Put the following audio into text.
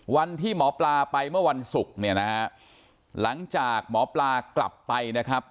วันที่หมอปลาไปเมื่อวันศุกร์หลังจากหมอปลากลับไป